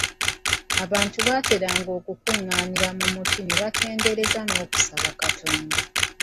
Abantu baateranga okukunganira mu muti ne batendereza n'okusaba Katonda.